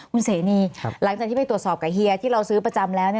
คุณเสนีหลังจากที่ไปตรวจสอบกับเฮียที่เราซื้อประจำแล้ว